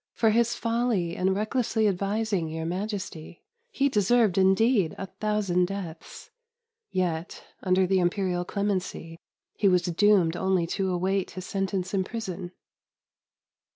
For his folly in recklessly advising Your Majesty, he deserved, indeed, a thousand deaths; yet, under the Imperial clemency, he was doomed only to await his sentence in prison.